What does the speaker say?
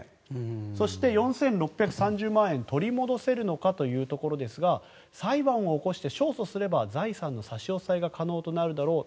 そして４６３０万円取り戻せるかというところですが裁判を起こして勝訴すれば財産の差し押さえが可能となるだろう。